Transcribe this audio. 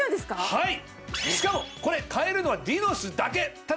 はい。